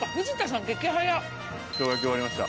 生姜焼き終わりました。